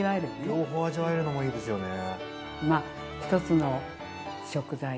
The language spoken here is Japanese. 両方味わえるのもいいですよね。